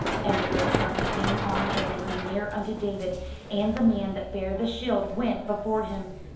And the Philistine came on and drew near unto David; and the man that bare the shield went before him.